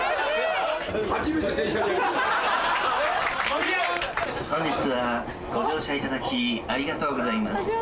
本日はご乗車いただきありがとうございます。